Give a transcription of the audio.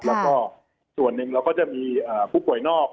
แล้วก็ส่วนหนึ่งเราก็จะมีผู้ป่วยนอก